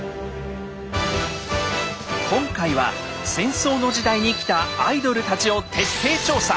今回は戦争の時代に生きたアイドルたちを徹底調査！